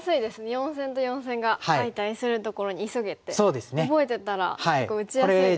「四線と四線が相対するところに急げ！」って覚えてたら結構打ちやすいですよね。